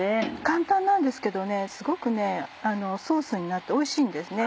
簡単なんですけどねすごくソースになっておいしいんですね。